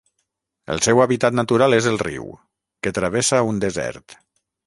El seu hàbitat natural és el riu, que travessa un desert.